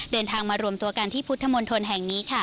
เดินทางมารวมตัวกันที่พุทธมนตรแห่งนี้ค่ะ